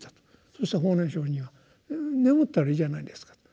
そうしたら法然上人は「眠ったらいいじゃないですか」と。